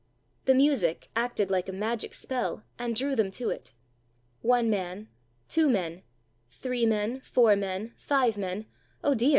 The music acted like a magic spell, and drew them to it. One man, two men, three men, four men, five men; oh, dear!